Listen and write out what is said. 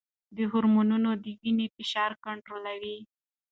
دا هرمونونه د وینې فشار کنټرولوي.